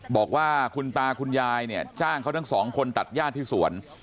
บอกว่าคุณตาคุณยายเนี่ยจ้างเขาทั้งสองคนตัดญาติที่สวน